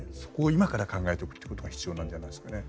今から考えておくことが必要なんじゃないんですかね。